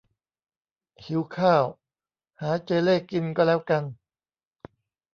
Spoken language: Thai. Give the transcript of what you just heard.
หิวข้าว หาเจเล่กินก็แล้วกัน